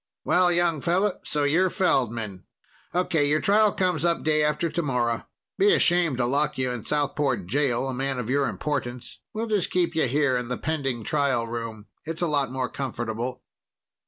Well, young fellow so you're Feldman. Okay, your trial comes up day after tomorrow. Be a shame to lock you in Southport jail, a man of your importance. We'll just keep you here in the pending trial room. It's a lot more comfortable."